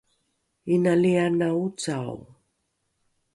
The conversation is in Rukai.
inali ana ocao